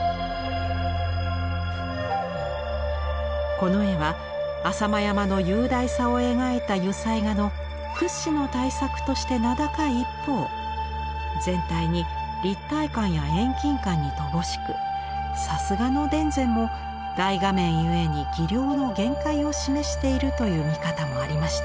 この絵は浅間山の雄大さを描いた油彩画の屈指の大作として名高い一方全体に立体感や遠近感に乏しくさすがの田善も大画面ゆえに技量の限界を示しているという見方もありました。